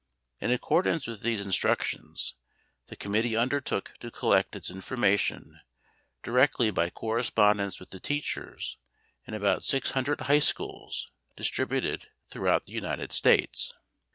In accordance with these instructions the committee undertook to collect its information directly by correspondence with the teachers in about 600 high schools distributed throughout the United States.